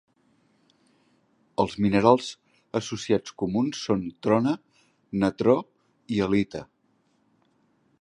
Els minerals associats comuns són trona, natró i halita.